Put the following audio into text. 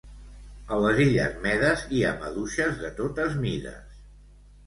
A les illes Medes i ha maduixes de totes mides.